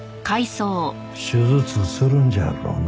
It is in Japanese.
手術するんじゃろうの？